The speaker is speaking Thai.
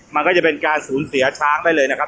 มันก็จะเป็นการสูญเสียช้างได้เลยนะครับ